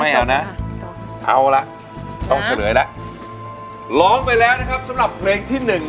นะเอาละต้องเฉลยแล้วร้องไปแล้วนะครับสำหรับเพลงที่หนึ่ง